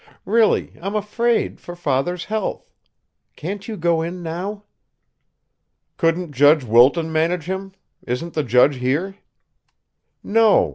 Really, I'm afraid for father's health! Can't you go in now?" "Couldn't Judge Wilton manage him? Isn't the judge here?" "No.